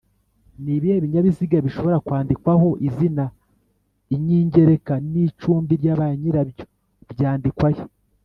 Nibihe binyabiziga bishobora kwandikwaho izina, inyingereka n’icumbi ryabanyirabyo byandikwa he